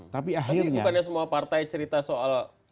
tapi akhirnya tapi bukannya semua partai cerita soal